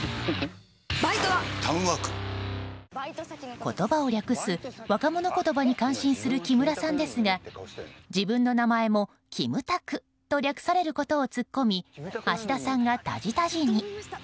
言葉を略す若者言葉に感心する木村さんですが自分の名前もキムタクと略されることをツッコみ芦田さんがタジタジに。